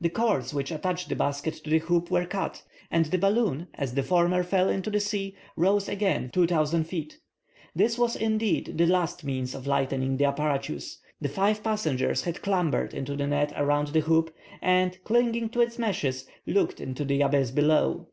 The cords which attached the basket to the hoop were cut, and the balloon, as the former fell into the sea, rose again 2,000 feet. This was, indeed, the last means of lightening the apparatus. The five passengers had clambered into the net around the hoop, and, clinging to its meshes, looked into the abyss below.